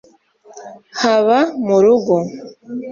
haba mu rugo